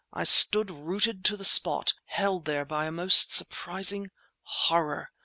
I stood rooted to the spot, held there by a most surprising horror.